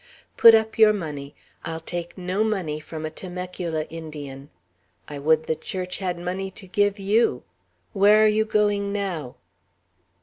"Put up your money. I'll take no money from a Temecula Indian. I would the Church had money to give you. Where are you going now?"